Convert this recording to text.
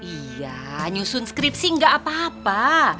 iya nyusun skripsi enggak apa apa